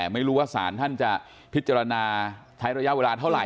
ไม่รู้ว่าศาลท่านจะพิจารณาใช้ระยะเวลาเท่าไห